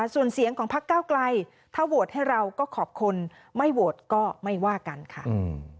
ส่วนเสียงของพระเกล้าใกล้ถ้าโวทย์ให้เราก็ขอบคลไม่โวทย์ก็ไม่ว่ากัน